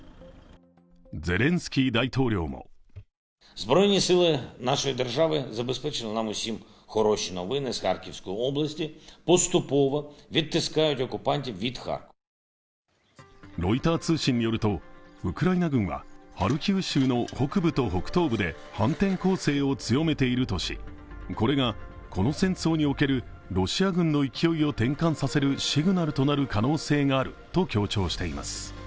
ゼレンスキー大統領もロイター通信によるとウクライナ軍はハルキウ州の北部と北東部で反転攻勢を強めているとし、これがこの戦争におけるロシア軍の勢いを転換させるシグナルとなる可能性になると強調しています